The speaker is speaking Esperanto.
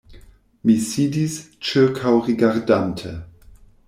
Mi sidis, ĉirkaŭrigardante.